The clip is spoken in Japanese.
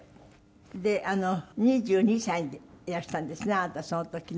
で２２歳でいらしたんですねあなたその時ね。